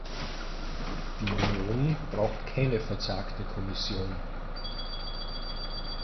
Die Union braucht keine verzagte Kommission.